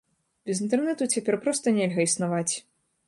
Без інтэрнэту цяпер проста нельга існаваць.